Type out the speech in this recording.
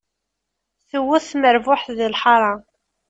Tewwet tmerbuḥt di lḥaṛa.